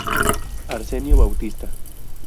Arsenio Bautista.